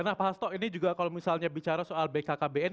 nah pak hasto ini juga kalau misalnya bicara soal bkkbn